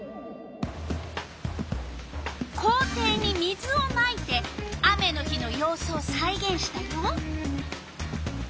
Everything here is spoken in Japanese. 校庭に水をまいて雨の日のようすをさいげんしたよ。